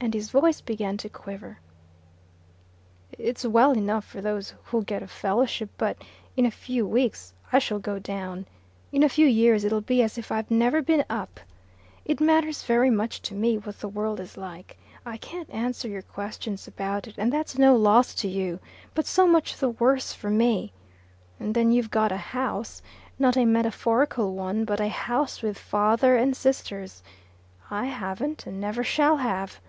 And his voice began to quiver. "It's well enough for those who'll get a Fellowship, but in a few weeks I shall go down. In a few years it'll be as if I've never been up. It matters very much to me what the world is like. I can't answer your questions about it; and that's no loss to you, but so much the worse for me. And then you've got a house not a metaphorical one, but a house with father and sisters. I haven't, and never shall have.